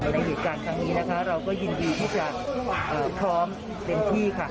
ในเหตุการณ์ครั้งนี้นะคะเราก็ยินดีที่จะพร้อมเต็มที่ค่ะ